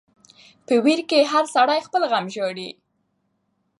په ویر کی هر سړی خپل غم ژاړي .